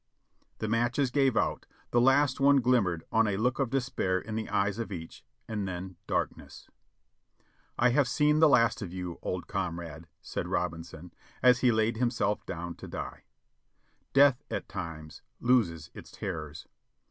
The matches gave out, the last one glimmered on a look of despair in the eyes of each, and then darkness ! "I have seen the last of you, old comrade," said Robinson, as he laid himself down to die. Death, at times, loses its terrors.